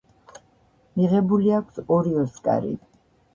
მიღებული აქვს ორი ოსკარი.